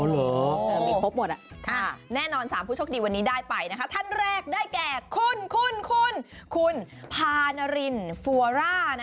เหรอมีครบหมดแน่นอน๓ผู้โชคดีวันนี้ได้ไปนะคะท่านแรกได้แก่คุณคุณพานารินฟัวร่า